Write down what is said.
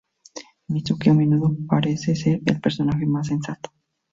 Mitsuki a menudo parece ser el personaje más sensato.